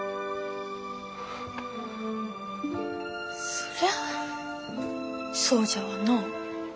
そりゃあそうじゃわな。